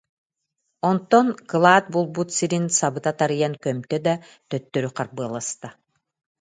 Онтон кылаат булбут сирин сабыта тарыйан көмтө да, төттөрү харбыаласта